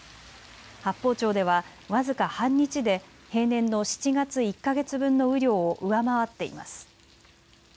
八峰町では僅か半日で平年の７月１か月分の雨量を上回っています。